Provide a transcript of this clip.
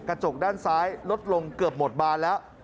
กระจกด้านซ้ายลดลงเกือบหมดบานแล้ว